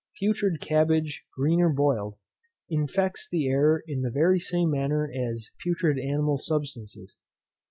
Putrid cabbage, green or boiled, infects the air in the very same manner as putrid animal substances.